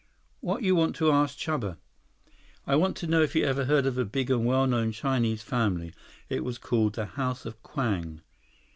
"What you want to ask Chuba?" "I want to know if you ever heard of a big and well known Chinese family. It was called the House of Kwang."